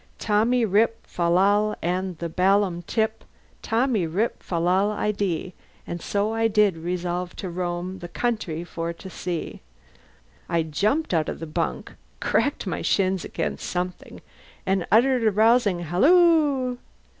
Tommy rip fal lal and a balum tip Tommy rip fal lal I dee; And so I did resolve to roam The country for to see! I jumped out of the bunk, cracked my shins against something, and uttered a rousing halloo.